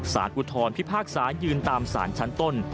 อุทธรพิพากษายืนตามสารชั้นต้น